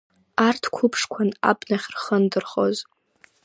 Арҭ қәыԥшқәан абнахь рхы андырхоз.